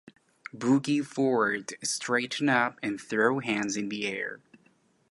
"Boogie Forward:" Straighten up and throw hands in the air.